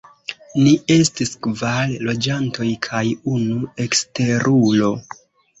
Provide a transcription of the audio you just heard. Ni estis kvar loĝantoj kaj unu eksterulo.